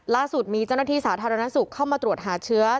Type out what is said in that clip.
ล่าสุดมีเจ้าหน้าที่สาธารณสุขเข้ามาตรวจหาเชื้อ